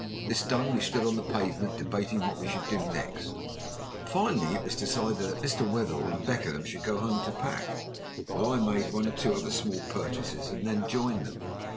This done, we stood on the pavement debating what we should do next. Finally it was decided that Mr. Wetherell and Beckenham should go home to pack, while I made one or two other small purchases, and then join them.